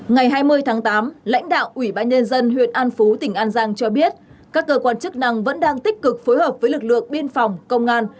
ngày hai mươi tháng tám lãnh đạo ủy ban nhân dân huyện an phú tỉnh an giang cho biết các cơ quan chức năng vẫn đang tích cực phối hợp với lực lượng biên phòng công an